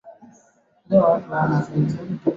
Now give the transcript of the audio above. tosha ambayo awafanye basi wananchi kujua muhimu